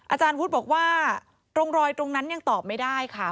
อาจารย์วุฒิบอกว่าตรงรอยตรงนั้นยังตอบไม่ได้ค่ะ